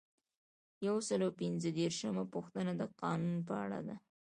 یو سل او پنځه دیرشمه پوښتنه د قانون په اړه ده.